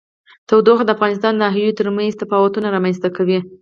تودوخه د افغانستان د ناحیو ترمنځ تفاوتونه رامنځ ته کوي.